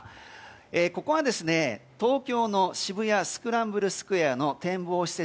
ここは東京の渋谷スクランブルスクエアの展望施設